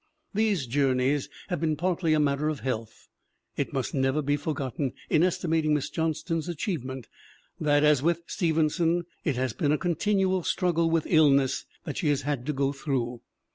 These jour neys have been partly a matter of health. It must never be forgotten in estimating Miss Johnston's achievement that, as with Stevenson, it has been a con tinual struggle with illness that she has had to go through.